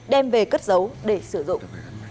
đem về cất giấu để sử dụng